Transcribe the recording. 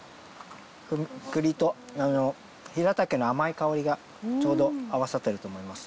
栗とヒラタケの甘い香りがちょうど合わさってると思います。